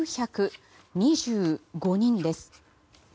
８９２５人です。